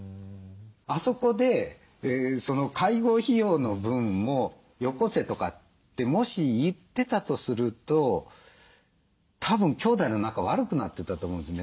あそこで「介護費用の分もよこせ」とかってもし言ってたとするとたぶん兄弟の仲悪くなってたと思うんですよね。